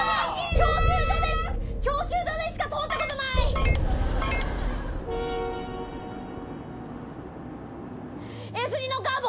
教習所で教習所でしか通ったことないＳ字のカーブ